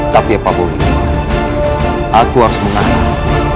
tapi apa boleh aku harus menang